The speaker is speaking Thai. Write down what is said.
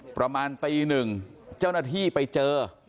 ประมาณตีหนึ่งเจ้าหน้าที่ไปเจอ